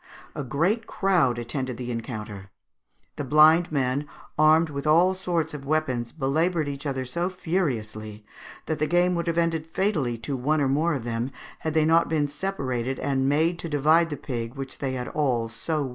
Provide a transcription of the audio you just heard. A great crowd attended the encounter. The blind men, armed with all sorts of weapons, belaboured each other so furiously that the game would have ended fatally to one or more of them had they not been separated and made to divide the pig which they had all so well earned.